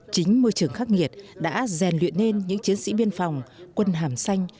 chính môi trường khắc nghiệt đã rèn luyện nên những chiến sĩ biên phòng quân hàm xanh